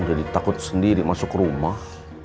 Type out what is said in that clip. jadi takut sendiri masuk rumah